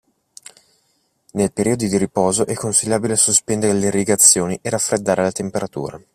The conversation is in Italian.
Nel periodo di riposo è consigliabile sospendere le irrigazioni e raffreddare la temperatura.